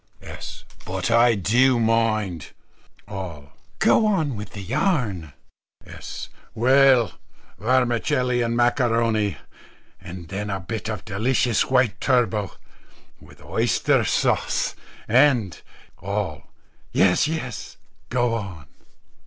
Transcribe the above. S. "But I do mind." All. "Go on with your yarn." S. "Well, vermicelli and macaroni, and then a bit of delicious white turbot, with oyster sauce and " All. "Yes, yes; go on."